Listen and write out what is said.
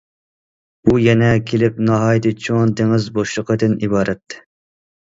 بۇ يەنە كېلىپ ناھايىتى چوڭ دېڭىز بوشلۇقىدىن ئىبارەت.